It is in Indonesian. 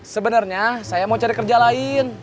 sebenarnya saya mau cari kerja lain